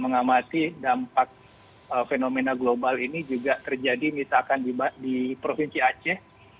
mengamati dampak fenomena global ini juga terjadi misalkan di provinsi aceh